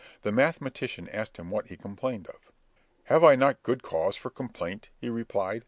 The mathematician asked him what he complained of. "Have I not good cause for complaint?" he replied.